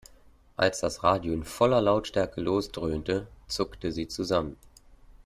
Als das Radio in voller Lautstärke losdröhnte, zuckte sie zusammen.